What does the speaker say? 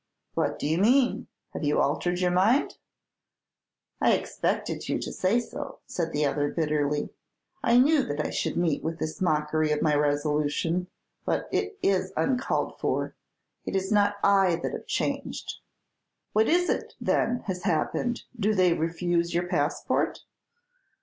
"What do you mean? Have you altered your mind?" "I expected you to say so," said the other, bitterly. "I knew that I should meet with this mockery of my resolution, but it is uncalled for. It is not I that have changed!" "What is it, then, has happened, do they refuse your passport?"